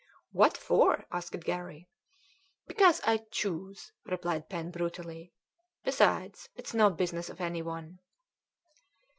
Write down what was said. "What for?" asked Garry. "Because I choose," replied Pen brutally; "besides, it's no business of any one."